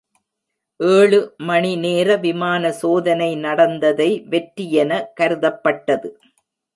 ஏழு மணி நேர விமான சோதனை நடந்ததை வெற்றியென கருதப்பட்டது.